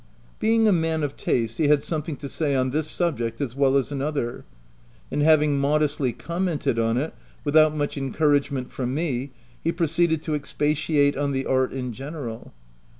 Being a man of taste, he had something to say on this subject as well as another, and having modestly commented on it, without much en couragement from me, he proceeded to expatiate on the art in general.